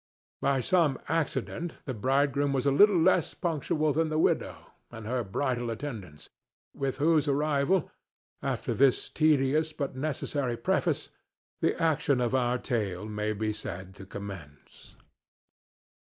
By some accident the bridegroom was a little less punctual than the widow and her bridal attendants, with whose arrival, after this tedious but necessary preface, the action of our tale may be said to commence.